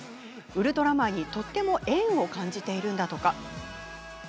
「ウルトラマン」にとても縁を感じているんだとか。